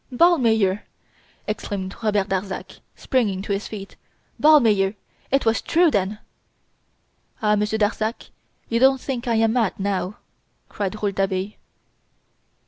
"Ballmeyer!" exclaimed Robert Darzac, springing to his feet. "Ballmeyer! It was true, then!" "Ah! Monsieur Darzac; you don't think I am mad, now!" cried Rouletabille.